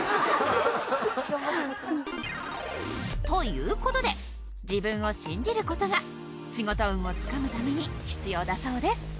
ということで自分を信じることが仕事運をつかむために必要だそうです。